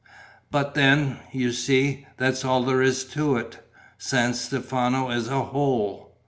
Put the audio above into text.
But then, you see, that's all there is to it. San Stefano is a hole.